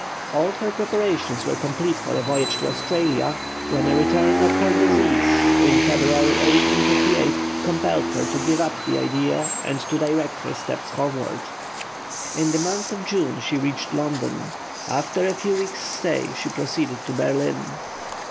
All her preparations were complete for a voyage to Australia, when a return of her disease, in February, 1858, compelled her to give up the idea and to direct her steps homeward. In the month of June she reached London. After a few weeks' stay she proceeded to Berlin.